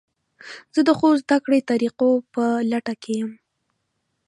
زه د ښو زده کړې طریقو په لټه کې یم.